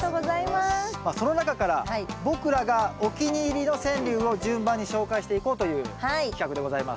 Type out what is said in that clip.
まあその中から僕らがお気に入りの川柳を順番に紹介していこうという企画でございます。